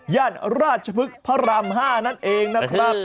ย่านราชภึกพระราม๕นะครับ